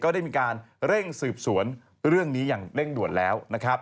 ได้มีการเร่งสืบสวนเรื่องนี้อย่างเร่งด่วนแล้วนะครับ